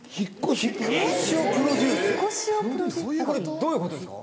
これどういうことですか？